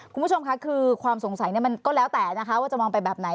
คุณผู้ชมค่ะคือความสงสัยมันก็แล้วแต่นะคะว่าจะมองไปแบบไหน